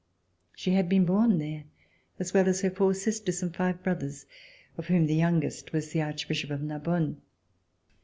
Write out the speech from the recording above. She had been born there, as well as her four sisters and five brothers, of whom the youngest was the Archbishop of Narbonne.